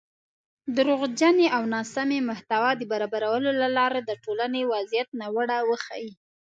دروغجنې او ناسمې محتوا د برابرولو له لارې د ټولنۍ وضعیت ناوړه وښيي